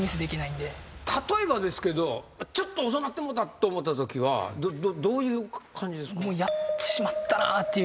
例えばですけどちょっと遅なってもうたと思ったときはどういう感じですか？